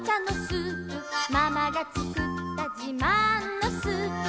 「ママがつくったじまんのスープ」